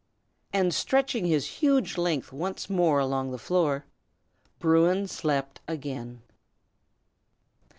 And stretching his huge length once more along the floor, Bruin slept again.